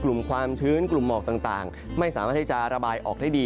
กลุ่มความชื้นกลุ่มหมอกต่างไม่สามารถจะระบายได้ดี